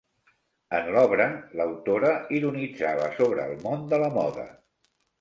En l'obra, l'autora ironitzava sobre el món de la moda.